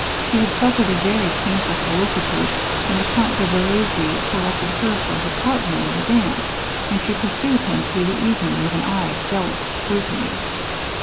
She had suffered a very painful solicitude, when the Count de Vereza selected her for his partner in the dance, and she pursued him through the evening with an eye of jealous scrutiny.